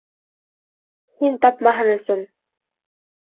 Һин тапмаһын өсөн!